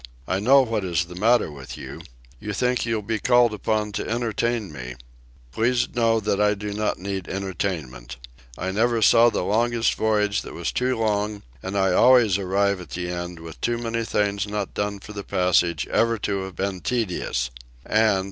I know what is the matter with you. You think you'll be called upon to entertain me. Please know that I do not need entertainment. I never saw the longest voyage that was too long, and I always arrive at the end with too many things not done for the passage ever to have been tedious, and